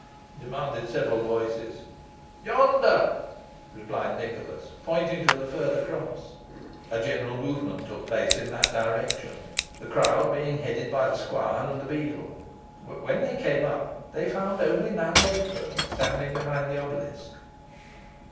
demanded several voices. "Yonder," replied Nicholas, pointing to the further cross. A general movement took place in that direction, the crowd being headed by the squire and the beadle, but when they came up, they found only Nan Redferne standing behind the obelisk.